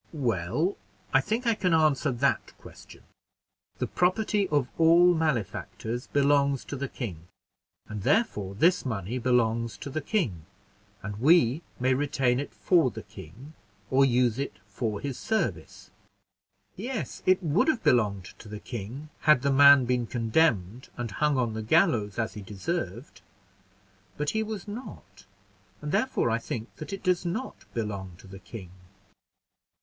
"Well, I think I can answer that question. The property of all malefactors belongs to the king; and therefore this money belongs to the king; and we may retain it for the king, or use it for his service." "Yes, it would have belonged to the king, had the man been condemned, and hung on the gallows as he deserved; but he was not, and therefore I think that it does not belong to the king."